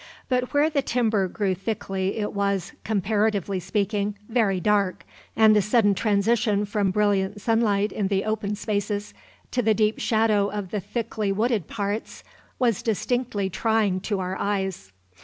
But where the timber grew thickly it was, comparatively speaking, very dark, and the sudden transition from brilliant sunlight in the open spaces to the deep shadow of the thickly wooded parts was distinctly trying to our eyes.